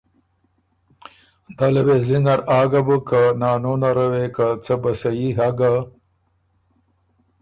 دله وې زلی نر آ ګۀ بُک که نانو نره وې که څۀ بَسَئي هۀ ګۀ،